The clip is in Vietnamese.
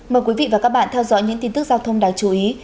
mời quý vị và các bạn theo dõi những tin tức giao thông đáng chú ý